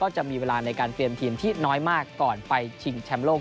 จะมีเวลาในการเตรียมทีมที่น้อยมากก่อนไปชิงแชมป์โลก